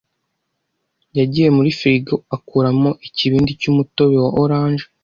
yagiye muri firigo akuramo ikibindi cy'umutobe wa orange.